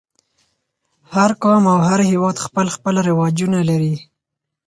هر قوم او هر هېواد خپل خپل رواجونه لري.